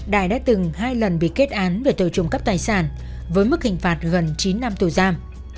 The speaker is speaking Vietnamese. đài đã từng hai lần bị kết án về tội trộm cắp tài sản với mức hình phạt gần chín năm tù giam